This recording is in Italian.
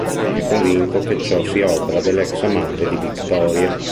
Egli è convinto che ciò sia opera dell'ex amante di Victoria.